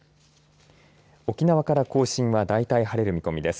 沖縄から甲信はだいたい晴れる見込みです。